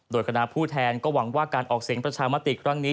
โดยคณะผู้แทนก็หวังว่าการออกเสียงประชามติครั้งนี้